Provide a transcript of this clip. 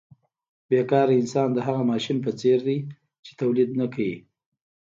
بې کاره انسان د هغه ماشین په څېر دی چې تولید نه کوي